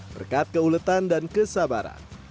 berkat keuletan dan kesabaran